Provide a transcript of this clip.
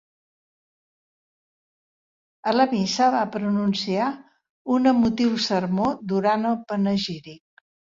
A la missa va pronunciar un emotiu sermó durant el panegíric.